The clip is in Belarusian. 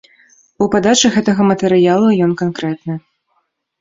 У падачы гэтага матэрыялу ён канкрэтны.